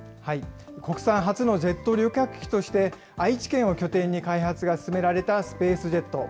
国産初のジェット旅客機として、愛知県を拠点に開発が進められたスペースジェット。